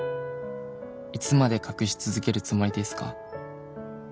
「いつまで隠し続けるつもりですか？」